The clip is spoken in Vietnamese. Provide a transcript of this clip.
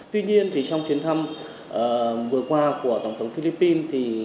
tuy nhiên trong chuyến thăm vừa qua của tổng thống philippines